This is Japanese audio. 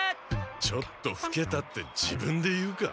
「ちょっとふけた」って自分で言うか？